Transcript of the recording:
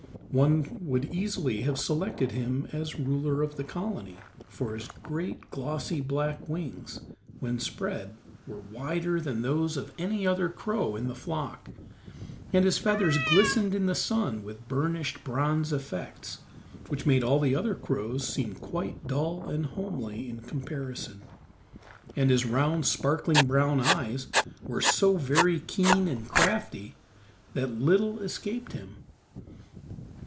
One would easily have selected him as ruler of the colony, for his great glossy black wings, when spread, were wider than those of any other crow in the flock; and his feathers glistened in the sun with burnished bronze effects which made all the other crows seem quite dull and homely in comparison, and his round, sparkling brown eyes were so very keen and crafty that little escaped him.